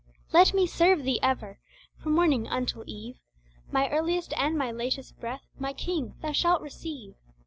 Let me serve Thee ever, from morning until eve, My earliest and my latest breath, my King, Thou shall receive.